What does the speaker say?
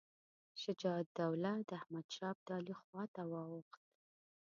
شجاع الدوله د احمدشاه ابدالي خواته واوښت.